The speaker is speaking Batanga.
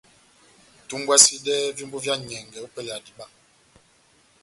Tumbwasidɛ vyómbo vyá enyɛngɛ opɛlɛ ya diba.